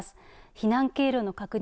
避難経路の確認